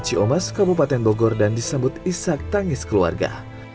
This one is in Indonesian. chiomas kabupaten bogor dan disambut isyak tangis keluarga